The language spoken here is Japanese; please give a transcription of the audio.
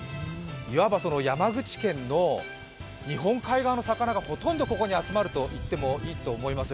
いわば山口県の日本海側の魚がほとんどここに集まると言ってもいいと思います。